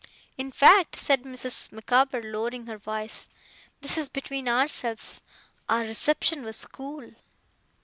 In fact,' said Mrs. Micawber, lowering her voice, 'this is between ourselves our reception was cool.